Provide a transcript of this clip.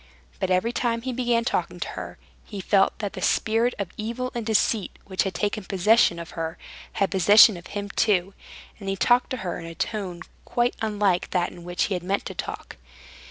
But every time he began talking to her, he felt that the spirit of evil and deceit, which had taken possession of her, had possession of him too, and he talked to her in a tone quite unlike that in which he had meant to talk.